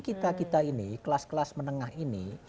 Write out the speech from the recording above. kita kita ini kelas kelas menengah ini